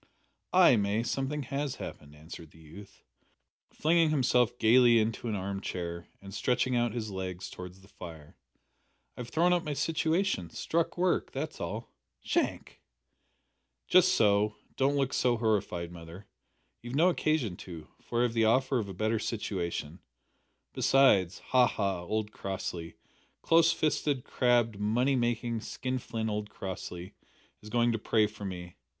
"Ay, May, something has happened," answered the youth, flinging himself gaily into an arm chair and stretching out his legs towards the fire; "I have thrown up my situation. Struck work. That's all." "Shank!" "Just so. Don't look so horrified, mother; you've no occasion to, for I have the offer of a better situation. Besides ha! ha! old Crossley close fisted, crabbed, money making, skin flint old Crossley is going to pray for me.